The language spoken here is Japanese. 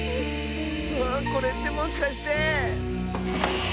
ああこれってもしかして。